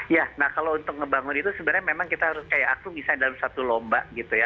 ya nah kalau untuk ngebangun itu sebenarnya memang kita harus kayak aku misalnya dalam satu lomba gitu ya